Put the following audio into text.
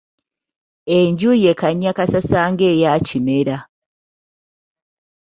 Enju ye Kannyakassasa ng'eya Kimera.